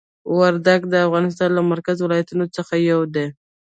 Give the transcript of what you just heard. وردګ د افغانستان له مرکزي ولایتونو څخه یو دی.